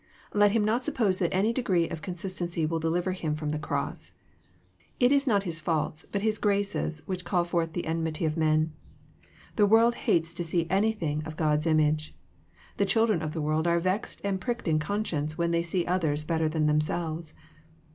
Let him not suppose that any degree of consistency will deliver him from this cross. It is not his faults, but his graces, which call forth the enmity of men. The world hates to see any thing of Ggd^ image. The children of^e w^lofare vexed and pricked in conscience when they see others better than themselves.